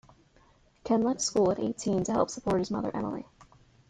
Ken left school at eighteen to help support his mother Emily.